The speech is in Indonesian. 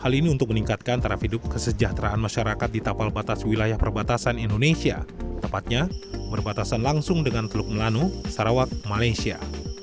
hal ini untuk meningkatkan taraf hidup kesejahteraan masyarakat di tapal batas wilayah perbatasan indonesia tepatnya berbatasan langsung dengan teluk melanu sarawak malaysia